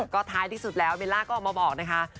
ก็ท้ายที่สุดแล้วเบลล่าก็ออกมาบอกนะคะ